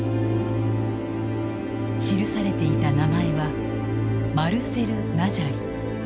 記されていた名前はマルセル・ナジャリ。